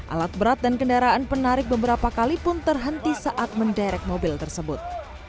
alat berat dan kendaraan penarik beberapa kali pun terhenti saat menderek mobil tersebut